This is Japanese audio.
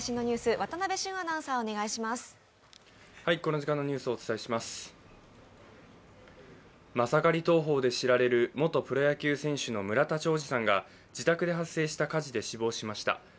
マサカリ投法で知られる元プロ野球選手の村田兆治さんが自宅で発生した火事で死亡しました。